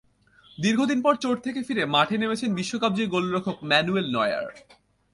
দীর্ঘদিন পর চোট থেকে ফিরে মাঠে নেমেছেন বিশ্বকাপজয়ী গোলরক্ষক ম্যানুয়েল নয়্যার।